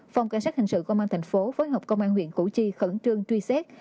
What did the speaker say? phòng cảnh sát hình sự công an thành phố phối hợp công an huyện củ chi khẩn trương truy xét